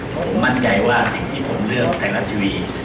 ผมมั่นใจว่าสิ่งที่ผมเลือกไทยรัฐทีวี